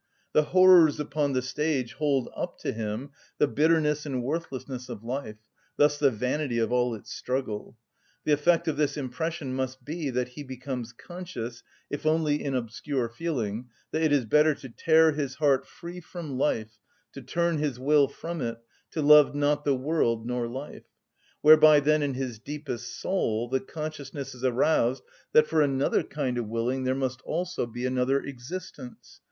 The horrors upon the stage hold up to him the bitterness and worthlessness of life, thus the vanity of all its struggle. The effect of this impression must be that he becomes conscious, if only in obscure feeling, that it is better to tear his heart free from life, to turn his will from it, to love not the world nor life; whereby then in his deepest soul, the consciousness is aroused that for another kind of willing there must also be another existence.